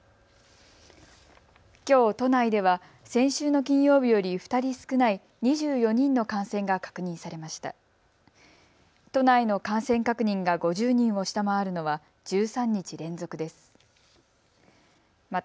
きょう都内では先週の金曜日より２人少ない、２４人の感染が確認されました。